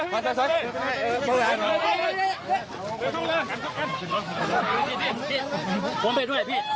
พี่จะเดิน